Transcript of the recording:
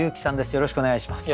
よろしくお願いします。